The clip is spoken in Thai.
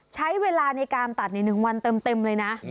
ใช้เวลาในการตัด๑วันเต็มเลยนะ